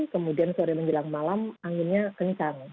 kemudian sore menjelang malam anginnya kencang